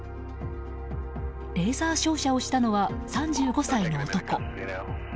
レーザー照射をしたのは３５歳の男。